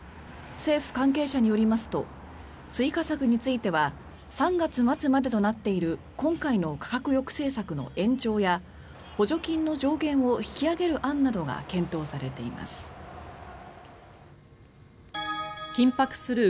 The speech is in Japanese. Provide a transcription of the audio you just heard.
政府関係者によりますと追加策については３月末までとなっている今回の価格抑制策の延長や補助金の上限を引き上げる案などが検討されています。